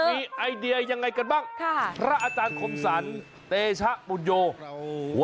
มีไอเดียยังไงกันบ้างค่ะพระอาจารย์คมสรรเตชะปุญโยโอ้โห